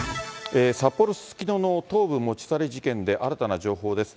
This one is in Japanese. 札幌・すすきのの頭部持ち去り事件で新たな情報です。